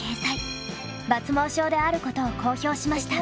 抜毛症であることを公表しました。